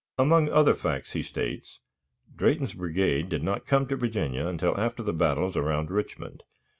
Among other facts, he states: "Drayton's brigade did not come to Virginia until after the battles around Richmond.